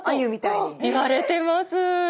いわれてます！